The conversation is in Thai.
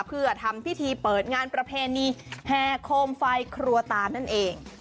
เพื่อทำพิธีเปิดงานประเพณีแห่โคมไฟครัวตานนั่นเอง